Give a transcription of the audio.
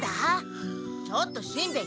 ちょっとしんべヱ！